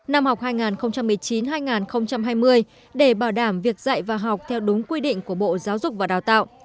năm học hai nghìn một mươi chín hai nghìn hai mươi để bảo đảm việc dạy và học theo đúng quy định của bộ giáo dục và đào tạo